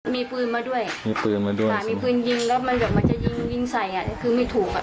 มีพื้นมาด้วยมีพื้นยิงแล้วมันจะยิงใส่คือไม่ถูก